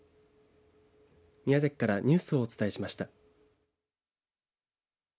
宮崎からニュースをお伝えしました。